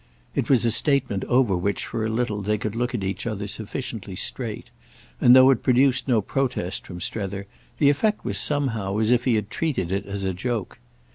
It was a statement over which, for a little, they could look at each other sufficiently straight, and though it produced no protest from Strether the effect was somehow as if he had treated it as a joke.